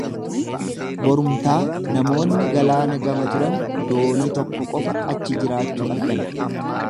Borumtaa namoonni galaana gama turan doonii tokko qofa achi jiraachuu argan.